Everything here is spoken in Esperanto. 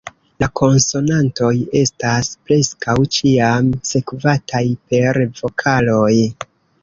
La konsonantoj estas preskaŭ ĉiam sekvataj per vokaloj.